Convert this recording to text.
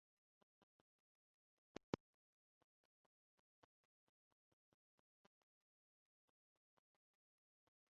La urbo provizis lin per tero por kastelo kaj parko.